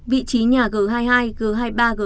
vị trí nhà g hai mươi hai g hai mươi ba g hai mươi bốn